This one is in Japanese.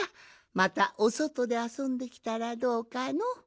またおそとであそんできたらどうかの？